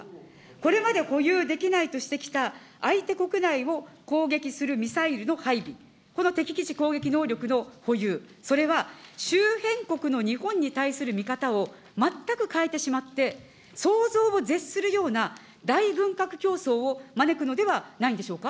これまで保有できないとしてきた、相手国内を攻撃するミサイルの配備、この敵基地攻撃能力の保有、それは周辺国の日本に対する見方を、全く変えてしまって、想像を絶するような大軍拡競争を招くのではないんでしょうか。